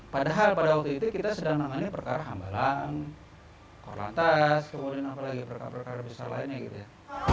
padahal pada waktu itu kita sedang menangani perkara hambalang korlantas kemudian apalagi perkara perkara besar lainnya gitu ya